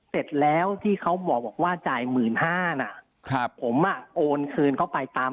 เสร็จแล้วที่เขาบอกว่าจ่ายหมื่นห้านะครับผมอ่ะโอนคืนเข้าไปตาม